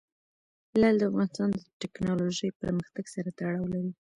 لعل د افغانستان د تکنالوژۍ پرمختګ سره تړاو لري.